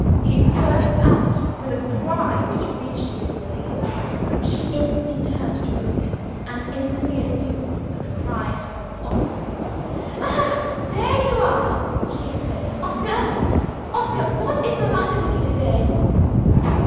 He burst out with a cry which reached Lucilla's ears. She instantly turned towards us, and instantly assumed that the cry had come from Oscar's lips. "Ah! there you are!" she exclaimed. "Oscar! Oscar! what is the matter with you to day?"